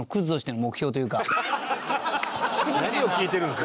何を聞いてるんですか？